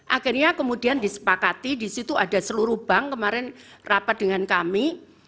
akhirnya kemudian disepakati di situ ada seluruh bank kemarin rapat dengan kami